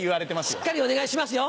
しっかりお願いしますよ。